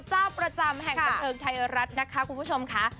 เจ้าประจำแห่งบันเทิงไทยรัฐนะคะคุณผู้ชมค่ะ